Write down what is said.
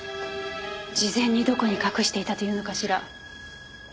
事前にどこに隠していたというのかしら？